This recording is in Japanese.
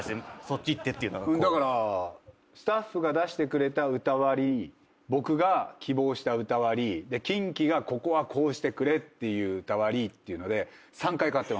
だからスタッフが出してくれた歌割り僕が希望した歌割りキンキがここはこうしてくれっていう歌割りっていうので。